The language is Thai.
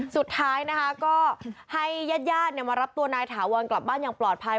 สุดท้ายนะคะก็ให้ญาติญาติมารับตัวนายถาวรกลับบ้านอย่างปลอดภัย